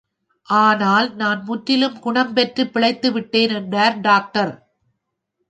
ஆனால், நான் முற்றிலும் குணம் பெற்று, பிழைத்துவிட்டேன் என்றார் டாக்டர்.